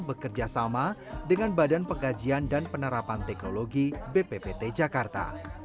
bekerja sama dengan badan pengkajian dan penerapan teknologi bppt jakarta